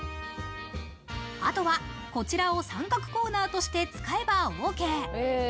あとは、こちらを三角コーナーとして使えばＯＫ。